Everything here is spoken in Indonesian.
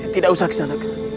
tidak usah kisanak